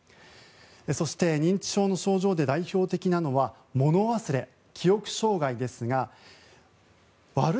そして認知症の症状で代表的なのはもの忘れ、記憶障害ですが悪い